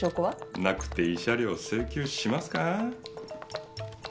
なくて慰謝料請求しますか？